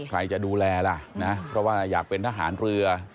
ใครจะดูแลล่ะนะเพราะว่าอยากเป็นทหารเรือ